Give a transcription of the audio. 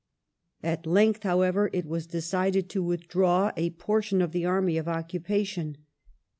At length, however, it was decided to withdraw a portion of The re le army of occupation.